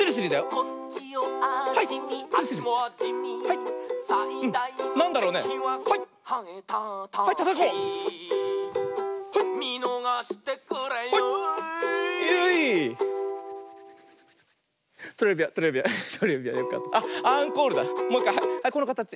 このかたち。